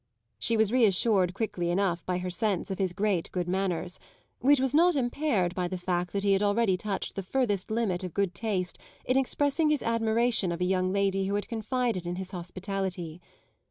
She was reassured quickly enough by her sense of his great good manners, which was not impaired by the fact that he had already touched the furthest limit of good taste in expressing his admiration of a young lady who had confided in his hospitality.